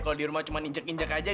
kalau di rumah cuma injek injek aja